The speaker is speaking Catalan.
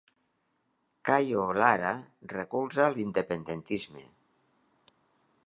Cayo Lara recolza l'independentisme